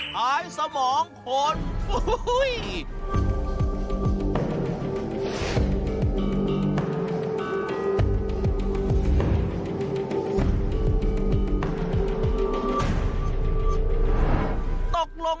หายสมองคน